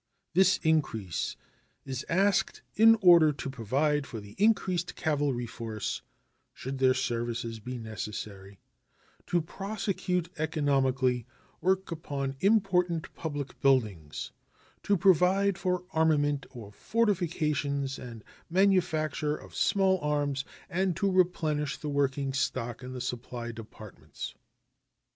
This increase is asked in order to provide for the increased cavalry force (should their services be necessary), to prosecute economically work upon important public buildings, to provide for armament of fortifications and manufacture of small arms, and to replenish the working stock in the supply departments.